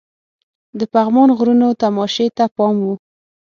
د پغمان غرونو تماشې ته پام وو.